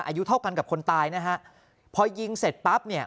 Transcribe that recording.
อายุเท่ากันกับคนตายนะฮะพอยิงเสร็จปั๊บเนี่ย